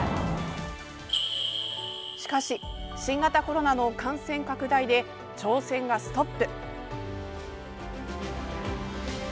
しかし新型コロナの感染拡大で挑戦がストップ。